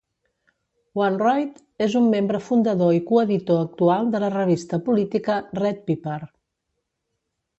Wainwright és un membre fundador i coeditor actual de la revista política "Red Pepper".